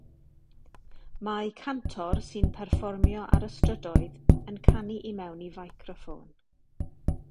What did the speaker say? Mae cantor sy'n perfformio ar y strydoedd yn canu i mewn i ficroffon.